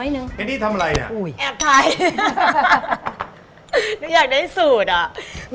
หนูอยากได้สูตรอ่ะ